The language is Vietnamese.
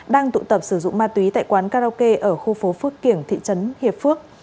đang tụ tập sử dụng ma túy tại quán karaoke ở khu phố phước kiểng thị trấn hiệp phước